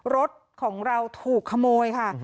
รถของเราถูกขโมยค่ะ